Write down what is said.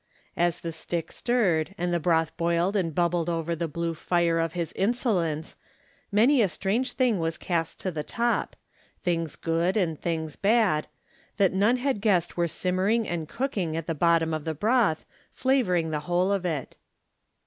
As the stick stirred and the broth boiled and bubbled over the blue fire of his insolence, many a strange thing was cast to the top — things good and things bad — ^that none had guessed were simmering and cooking at the bottom of the broth, flavoring the whole of it.